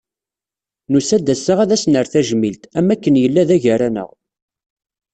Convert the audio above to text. Nusa-d ass-a ad as-nerr tajmilt, am wakken yella da gar-aneɣ.